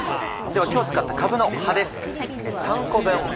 では今日使ったかぶの葉です。